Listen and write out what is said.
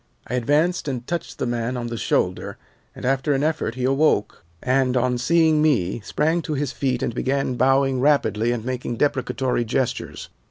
"I advanced and touched the man on the shoulder, and after an effort he awoke, and, on seeing me, sprang to his feet and began bowing rapidly and making deprecatory gestures.